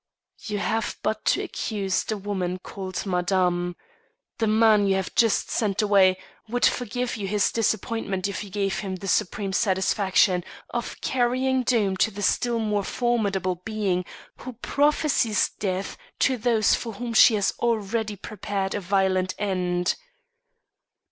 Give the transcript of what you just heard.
"You have but to accuse the woman called Madame. The man you have just sent away would forgive you his disappointment if you gave him the supreme satisfaction of carrying doom to the still more formidable being who prophesies death to those for whom she has already prepared a violent end."